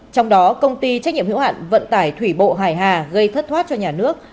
trong đó công ty trách nhiệm hiệu hạn vận tải thủy bộ hải hà gây thất thoát cho nhà nước